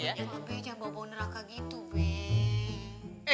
ya mah be nya bawa bau neraka gitu be